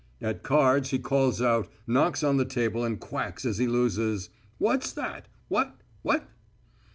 At cards he calls out, knocks on the table and quacks as he loses: "What's that? What? What?"